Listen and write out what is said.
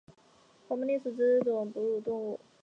黄毛鼹属等之数种哺乳动物。